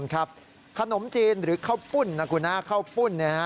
ขนมจีนหรือข้าวปุ้นนะคุณข้าวปุ้น